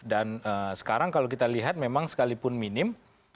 dan sekarang kalau kita lihat memang sekalipun minim